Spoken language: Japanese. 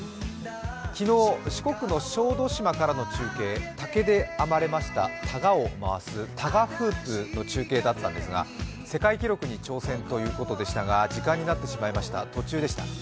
昨日、四国の小豆島からの中継、竹で編まれたたがを回すタガフープの世界記録に挑戦ということでしたが、時間になってしまいました、途中でした。